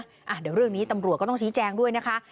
เดี๋ยวเรื่องนี้ตำรวจก็ต้องชี้แจงด้วยนะคะ